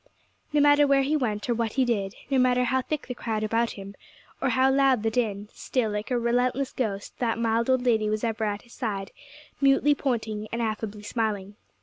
No matter where he went, or what he did; no matter how thick the crowd about him, or how loud the din; still, like a relentless ghost, that mild old lady was ever at his side, mutely pointing and affably smiling.